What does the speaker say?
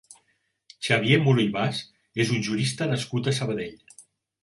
Xavier Muro i Bas és un jurista nascut a Sabadell.